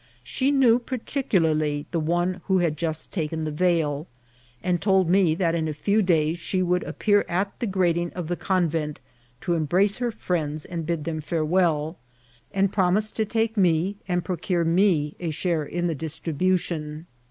She knew particularly the one who had just taken the veil, and told me that in a few days she would appear at the grating of the convent to embrace riRKWORKS, BTC. S15 ber firiendfl and bid them Seurewell, and promised to take me and {nrocore me a share in the distribution.